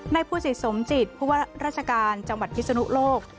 นายผู้สิทธิ์สมจิตผู้ว่ารัชการจังหวัดกิจนุโลก